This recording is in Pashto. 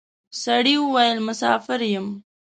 سړي وويل: مساپر یم.